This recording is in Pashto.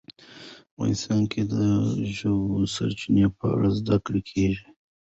افغانستان کې د ژورې سرچینې په اړه زده کړه کېږي.